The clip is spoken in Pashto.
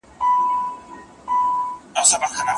کرۍ ورځ به خلک تلله او راتلله